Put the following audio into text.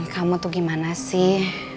kamu tuh gimana sih